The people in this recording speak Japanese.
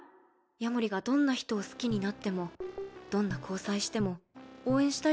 夜守がどんな人を好きになってもどんな交際しても応援したいと思ってるよ。